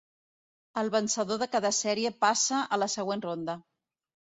El vencedor de cada sèrie passa a la següent ronda.